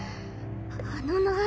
あのなぁ